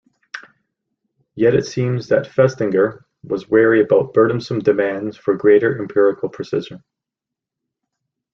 Yet it seems that Festinger was wary about burdensome demands for greater empirical precision.